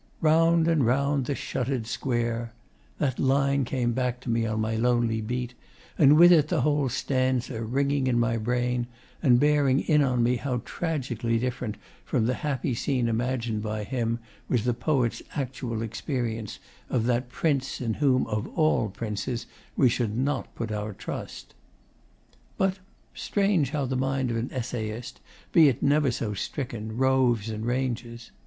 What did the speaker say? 'Round and round the shutter'd Square' that line came back to me on my lonely beat, and with it the whole stanza, ringing in my brain and bearing in on me how tragically different from the happy scene imagined by him was the poet's actual experience of that prince in whom of all princes we should put not our trust. But strange how the mind of an essayist, be it never so stricken, roves and ranges!